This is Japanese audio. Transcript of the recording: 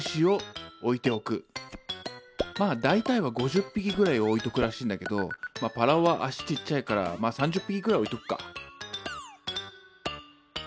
まあ大体は５０匹ぐらい置いとくらしいんだけどパラオは足ちっちゃいから３０匹くらい置いとくか。